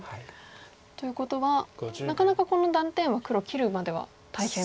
ということはなかなかこの断点は黒切るまでは大変と。